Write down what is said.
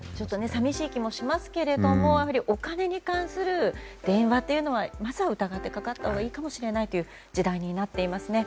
寂しい気もしますけれどもお金に関する電話というのはまずは疑ってかかったほうがいいかもしれないという時代になっていますね。